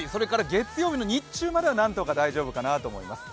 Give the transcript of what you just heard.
月曜日の日中も何とか大丈夫かなと思います。